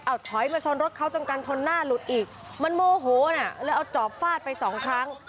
เอาถอยมาชนรถเขาจนกันชนหน้าหลุดอีกมันโมโหน่ะเลยเอาจอบฟาดไปสองครั้ง